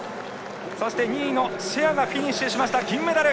そして２位のシェアがフィニッシュして銀メダル。